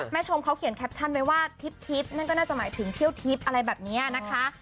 ชมเขาเขียนแคปชั่นไว้ว่าทิพย์นั่นก็น่าจะหมายถึงเที่ยวทิพย์อะไรแบบนี้นะคะ